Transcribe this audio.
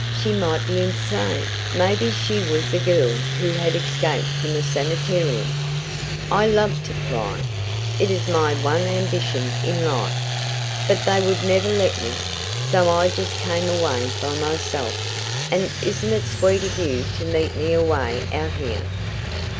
She might be insane! Maybe she was the girl who had escaped from the sanitarium! "I love to fly it is my one ambition in life. But they would never let me, so I just came away by myself; and isn't it sweet of you to meet me away out here?